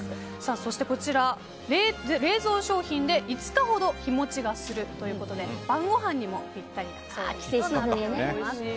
そしてこちら冷蔵商品で５日ほど日持ちがするということで晩ごはんにもぴったりな商品となっています。